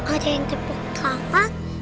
ada yang tepuk kapak